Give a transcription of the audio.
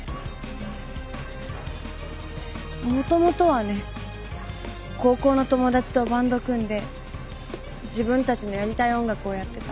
もともとはね高校の友達とバンド組んで自分たちのやりたい音楽をやってた。